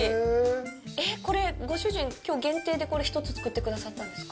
えっ、これ、ご主人、きょう限定でこれ一つ作ってくださったんですか。